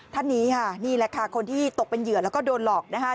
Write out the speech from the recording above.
ท่านนี้ค่ะนี่แหละค่ะคนที่ตกเป็นเหยื่อแล้วก็โดนหลอกนะคะ